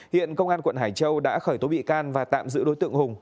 hiện công an quận hải châu đã khởi tố bị can và tạm giữ đối tượng hùng